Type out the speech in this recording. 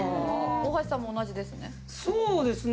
大橋さんも同じですね。